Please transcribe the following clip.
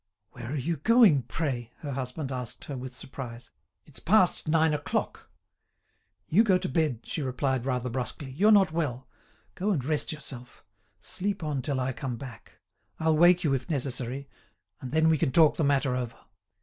"Where are you going, pray?" her husband asked her with surprise. "It's past nine o'clock." "You go to bed," she replied rather brusquely, "you're not well; go and rest yourself. Sleep on till I come back; I'll wake you if necessary, and then we can talk the matter over."